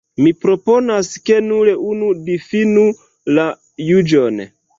Mi proponas, ke nur unu difinu la juĝon.